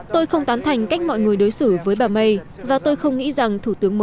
tôi không tán thành cách mọi người đối xử với bà may và tôi không nghĩ rằng thủ tướng mới của anh là thủ tướng mới